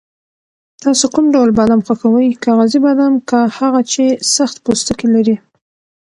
تاسو کوم ډول بادام خوښوئ، کاغذي بادام که هغه چې سخت پوستکی لري؟